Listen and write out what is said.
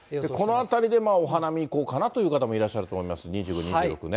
このあたりでお花見行こうかなという方もいらっしゃると思います、２５、２６ね。